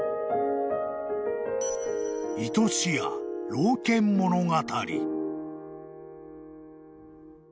［「いとしや老犬物語」］